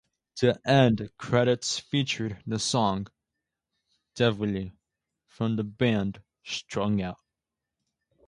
The end credits featured the song "Deville" from the band Strung Out.